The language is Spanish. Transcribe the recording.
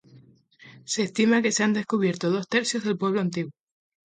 Se estima que se han descubierto dos tercios del pueblo antiguo.